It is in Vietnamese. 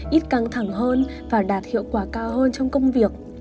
ít căng thẳng hơn và đạt hiệu quả cao hơn trong công việc